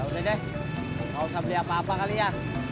udah deh gak usah beli apa apa kali ya